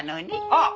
あっ！